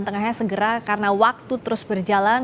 tengahnya segera karena waktu terus berjalan